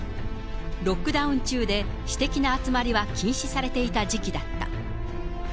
ロックダウン中で、私的な集まりは禁止されていた時期だった。